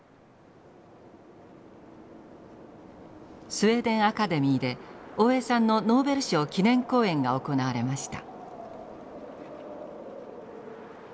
スウェーデン・アカデミーで大江さんのノーベル賞記念講演が行われました。